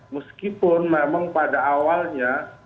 meskipun memang pada awalnya